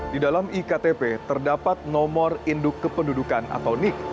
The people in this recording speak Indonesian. di dalam iktp terdapat nomor induk kependudukan atau nik